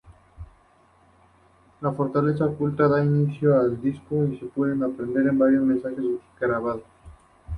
La Fortaleza Oculta da inicio al disco se pueden apreciar varios mensajes grabados.